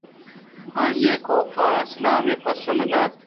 آئی ءَ کاف ءِ سلامے پسو نہ دات